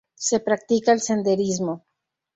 Se practica el senderismo.